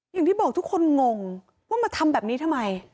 อย่างที่บอกทุกคนงงว่ามาทำแบบนี้ทำไม